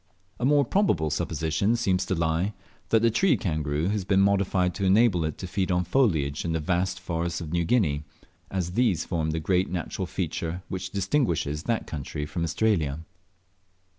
A more probable supposition seems to lie, that the tree kangaroo has been modified to enable it to feed on foliage in the vast forests of New Guinea, as these form the great natural feature which distinguishes that country from Australia.